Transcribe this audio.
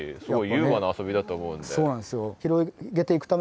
優雅な遊びだと思うんで。